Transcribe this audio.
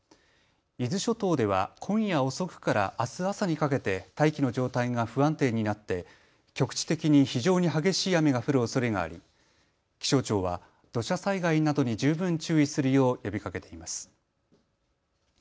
伊豆諸島では今夜遅くからあす朝にかけて大気の状態が不安定になって局地的に非常に激しい雨が降るおそれがあり気象庁は土砂災害などに十分注意するよう呼びかけています。